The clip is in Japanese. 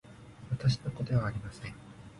私の子ではありません